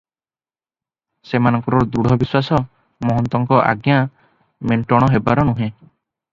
ସେମାନଙ୍କର ଦୃଢ ବିଶ୍ୱାସ, ମହନ୍ତଙ୍କ ଆଜ୍ଞା ମେଣ୍ଟଣ ହେବାର ନୁହେଁ ।